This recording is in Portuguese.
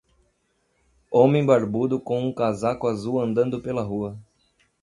Homem barbudo com um casaco azul andando pela rua.